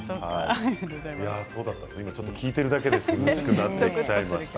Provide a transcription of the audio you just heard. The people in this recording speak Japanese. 今聞いているだけで涼しくなってきちゃいました。